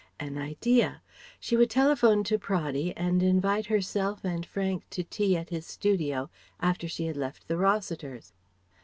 An idea. She would telephone to Praddy and invite herself and Frank to tea at his studio after she had left the Rossiters.